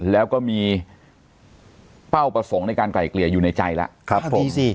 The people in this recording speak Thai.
แล้วก็มีเป้าประสงค์ในการไกล่เกลี่ยอยู่ในใจแล้วครับผม